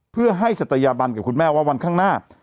เพื่อให้ศัตยาบันกับคุณแม่ว่าวันข้างหน้า